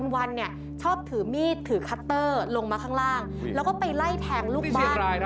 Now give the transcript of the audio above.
วันเนี่ยชอบถือมีดถือคัตเตอร์ลงมาข้างล่างแล้วก็ไปไล่แทงลูกบ้าน